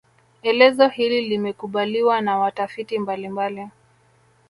Elezo hili limekubaliwa na watafiti mbalimbali